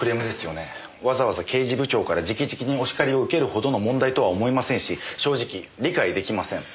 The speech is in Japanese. わざわざ刑事部長から直々にお叱りを受けるほどの問題とは思えませんし正直理解できません。